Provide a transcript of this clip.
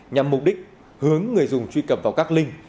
nhằm mục đích hướng người dùng truy cập vào các link